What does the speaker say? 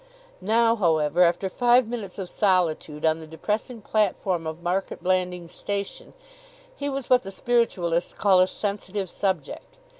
Now, however, after five minutes of solitude on the depressing platform of Market Blandings Station, he was what the spiritualists call a sensitive subject.